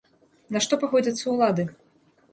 На што пагодзяцца ўлады?